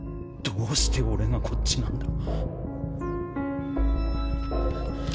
どうしておれがこっちなんだ？